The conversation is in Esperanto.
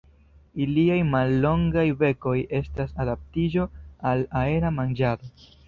Iliaj mallongaj bekoj estas adaptiĝo al aera manĝado.